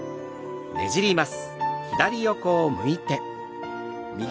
ねじります。